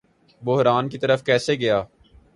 بحران کی طرف کیسے گیا